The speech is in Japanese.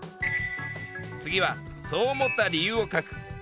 次はそう思った理由を書く。